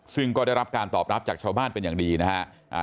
ซึ่งก็ได้รับการตอบรับจากชาวบ้านเป็นอย่างดีนะครับ